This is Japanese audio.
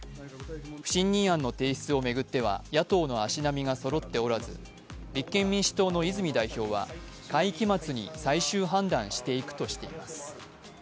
不信任案の提出を巡っては野党の足並みがそろっておらず立憲民主党の泉代表は会期末に最終判断していくとしています。